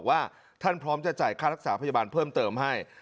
ว่าท่านพร้อมจะจ่ายค่ารักษาพยาบาลเพิ่มเติมให้